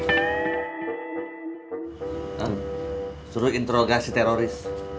kan suruh interogasi teroris